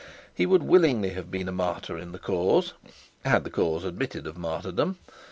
He would willingly have been a martyr in the cause, had the cause admitted of martyrdom.